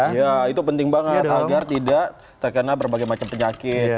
iya itu penting banget agar tidak terkena berbagai macam penyakit